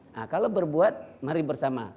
nah kalau berbuat mari bersama